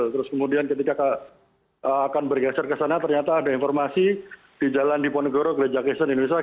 terus kemudian ketika akan bergeser ke sana ternyata ada informasi di jalan diponegoro gereja kristen indonesia